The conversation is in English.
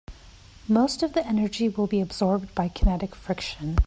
Most of the energy will be absorbed by kinetic friction.